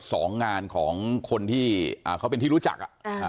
สองงานของคนที่อ่าเขาเป็นที่รู้จักอ่ะอ่า